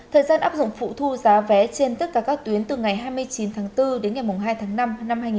thời gian áp dụng phụ thu giá vé trên tất cả các tuyến từ ngày hai mươi chín tháng bốn đến ngày hai tháng năm năm hai nghìn hai mươi bốn